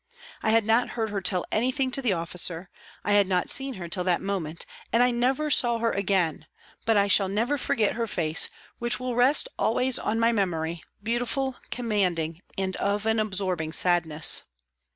I had not heard her tell anything to the officer, I had not seen her till that moment, and I never saw her again, but I shall never forget her face which will rest always on my memory, beautiful, commanding, and of an absorbing sadness.